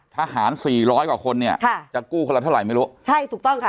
ทหารสี่ร้อยกว่าคนเนี่ยค่ะจะกู้คนละเท่าไหร่ไม่รู้ใช่ถูกต้องค่ะ